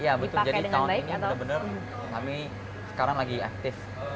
iya betul jadi tahun ini benar benar kami sekarang lagi aktif